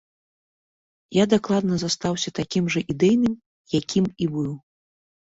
Я дакладна застаўся такім жа ідэйным, якім і быў.